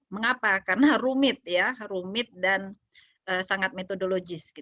mengapa karena rumit dan sangat metodologis